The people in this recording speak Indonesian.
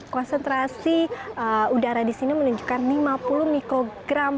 konsentrasi udara di sini menunjukkan lima puluh mikrogram